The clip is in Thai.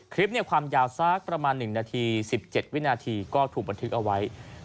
คลิปความยาวสักประมาณ๑นาที๑๗วินาทีก็ถูกบันทึกเอาไว้